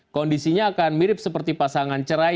kondisinya akan mirip seperti pasangan cerai